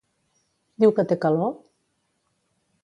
Diu que té calor?